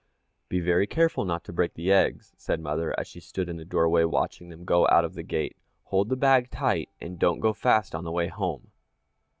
"Be very careful not to break the eggs," said mother, as she stood in the doorway watching them go out of the gate. "Hold the bag tight and don't go fast on the way home."